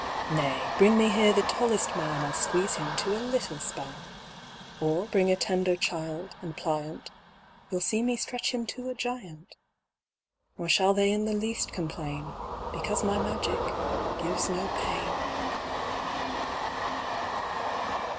Nay, bring me here the tallest man, I'll squeeze him to a little span; Or bring a tender child, and pliant, You'll see me stretch him to a giant: Nor shall they in the least complain, Because my magic gives no pain.